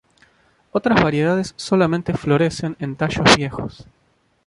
Otras variedades solamente florecen en tallos viejos.